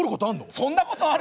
そんなことある！？